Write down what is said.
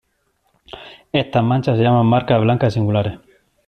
Estas manchas se llaman marcas blancas singulares.